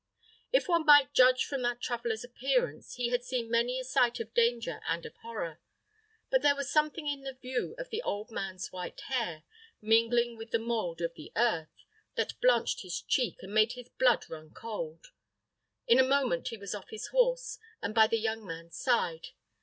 If one might judge from that traveller's appearance, he had seen many a sight of danger and of horror; but there was something in the view of the old man's white hair, mingling with the mould of the earth, that blanched his cheek, and made his blood run cold. In a moment he was off his horse, and by the young man's side.